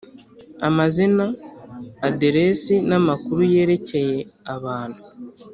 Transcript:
Amazina aderesi n amakuru yerekeye abantu